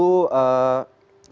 tidak hanya sekedar mengakses internet